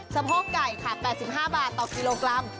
สะโพกไก่ค่ะ๘๕บาทต่อกิโลกรัม